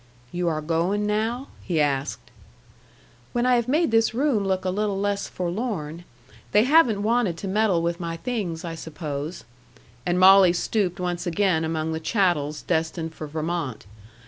"You are going now?" he asked. "When I have made this room look a little less forlorn. They haven't wanted to meddle with my things, I suppose." And Molly stooped once again among the chattels destined for Vermont.